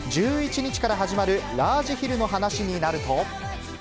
１１日から始まるラージヒルの話になると。